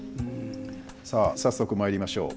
さあ早速まいりましょう。